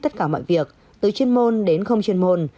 tất cả mọi việc từ chuyên môn đến không chuyên môn